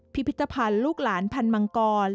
พิพิธภัณฑ์ลูกหลานพันธ์มังกร